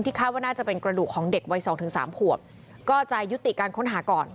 คาดว่าน่าจะเป็นกระดูกของเด็กวัย๒๓ขวบก็จะยุติการค้นหาก่อน